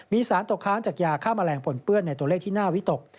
มีสารตกค้างจากยาฆ่าแมลงปนเปื้อนในตัวเลขที่น่าวิตก